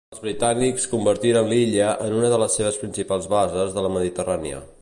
Els britànics convertiren l'illa en una de les seves principals bases de la Mediterrània.